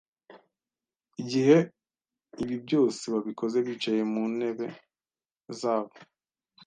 igihe ibi byose babikoze bicaye mu ntebe zabo.